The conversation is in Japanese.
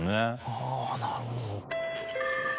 あぁなるほど。